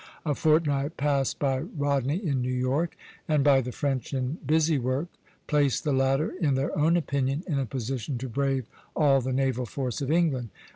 A fortnight passed by Rodney in New York and by the French in busy work, placed the latter, in their own opinion, in a position to brave all the naval force of England.